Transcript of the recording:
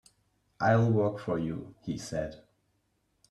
"I'll work for you," he said.